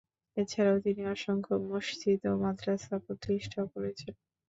এছাড়াও তিনি অসংখ্য মসজিদ ও মাদ্রাসা প্রতিষ্ঠা করেছেন।